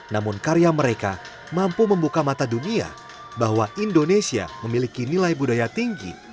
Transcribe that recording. namun karya mereka mampu membuka mata dunia bahwa indonesia memiliki nilai budaya tinggi